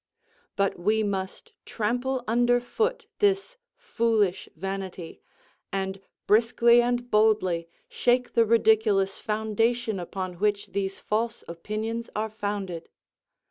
But we must trample under foot this foolish vanity, and briskly and boldly shake the ridiculous foundation upon which these false opinions are founded.